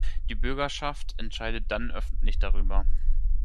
Die Bürgerschaft entscheidet dann öffentlich darüber.